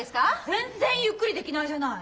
全然ゆっくりできないじゃない。